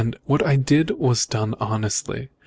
What I did was done honestly.